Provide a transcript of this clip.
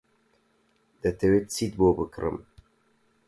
دەتەوێت چیت بۆ بکڕم؟